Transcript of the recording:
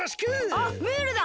あっムールだ。